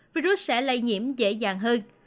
virus sẽ lây nhiễm dễ dàng hơn